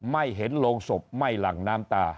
ไม่เห็นโรงศพไม่หลั่งน้ำตา